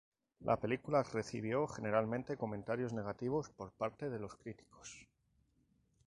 La película recibió generalmente comentarios negativos por parte de los críticos.